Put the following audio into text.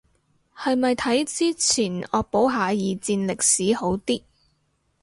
係咪睇之前惡補下二戰歷史好啲